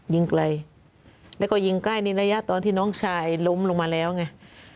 ยิงไกลแล้วก็ยิงใกล้ในระยะตอนที่น้องชายล้มลงมาแล้วไง